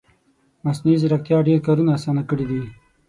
مصنوعي ځیرکتیا ډېر کارونه اسانه کړي دي